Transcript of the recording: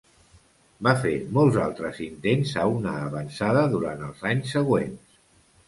Va fer molts altres intents a una avançada durant els anys següents.